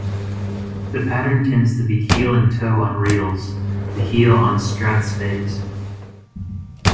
The pattern tends to be heel-and-toe on reels, the heel on strathspeys.